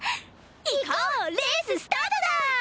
行こうレーススタートだ！